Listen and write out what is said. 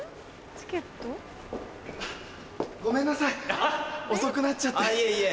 チケット？ごめんなさい遅くなっちゃって。